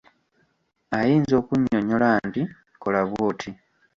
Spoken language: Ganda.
Ayinza okunnyonnyola nti; kola bwoti.